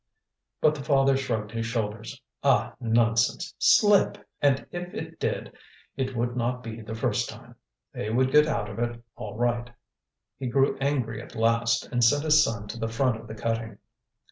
But the father shrugged his shoulders. Ah! nonsense! Slip! And if it did, it would not be the first time; they would get out of it all right. He grew angry at last, and sent his son to the front of the cutting.